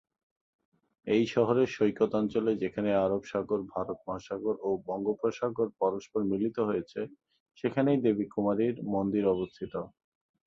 এই শহরের সৈকত অঞ্চলে যেখানে আরব সাগর, ভারত মহাসাগর ও বঙ্গোপসাগর পরস্পর মিলিত হয়েছে, সেখানেই দেবী কুমারীর মন্দির অবস্থিত।